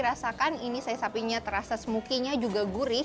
rasakan ini saya sapinya terasa smoky nya juga gurih